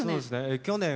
去年。